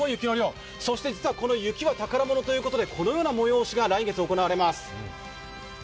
雪は宝物ということでこのような催しが来月行われます。